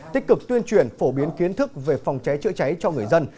tích cực tuyên truyền phổ biến kiến thức về phòng cháy chữa cháy cho người dân